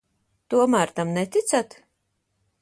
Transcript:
Tomēr tam neticat?